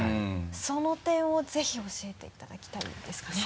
その点をぜひ教えていただきたいですかね。